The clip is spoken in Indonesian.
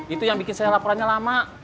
itu yang bikin saya laporannya lama